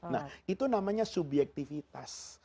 nah itu namanya subjektivitas